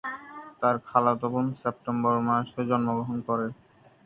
তার খালাতো বোন সেপ্টেম্বর মাসে জন্মগ্রহণ করে।